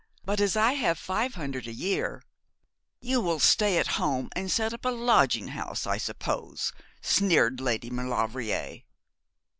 But as I have five hundred a year ' 'You will stay at home, and set up a lodging house, I suppose,' sneered Lady Maulevrier.